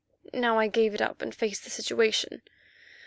Now I gave it up and faced the situation.